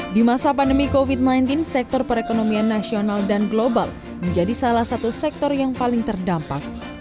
di masa pandemi covid sembilan belas sektor perekonomian nasional dan global menjadi salah satu sektor yang paling terdampak